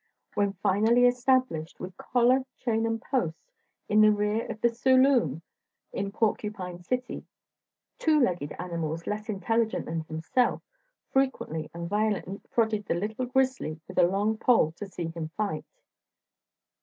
When finally established, with collar, chain and post, in the rear of the saloon in Porcupine City, two legged animals less intelligent than himself frequently and violently prodded the little grizzly with a long pole "to see him fight."